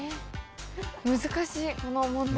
難しいこの問題。